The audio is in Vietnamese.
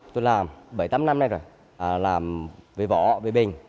tôi làm bảy tám năm nay rồi làm về võ về bình